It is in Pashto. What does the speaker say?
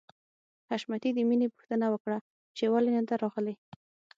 حشمتي د مینې پوښتنه وکړه چې ولې نده راغلې